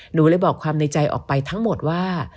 หนูเลยบอกความในใจออกไปทั้งหมดว่า